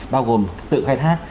bao gồm tự khai thác